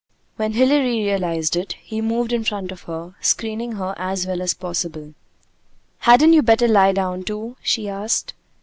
When Hilary realized it he moved in front of her, screening her as well as possible. "Hadn't you better lie down, too?" she asked.